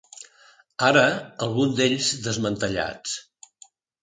Ara, alguns d'ells desmantellats.